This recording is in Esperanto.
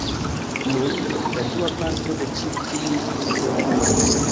Nun, la dua parto de ĉi tiu videoblogo: